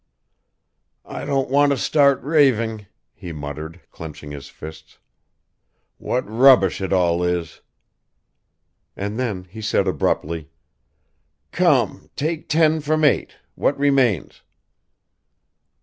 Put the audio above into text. "I don't want to start raving," he muttered, clenching his fists; "what rubbish it all is!" And then he said abruptly, "Come, take ten from eight, what remains?"